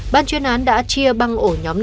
ban chuyên án đã chia băng ổn định cho các đối tượng